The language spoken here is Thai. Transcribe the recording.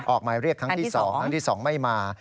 ออกหมายเรียกครั้งที่๒ครั้งที่๒ไม่มา